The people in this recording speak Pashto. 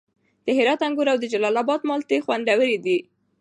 د هرات انګور او د جلال اباد مالټې خوندورې دي.